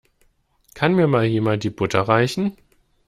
Kann mir Mal jemand die Butter reichen?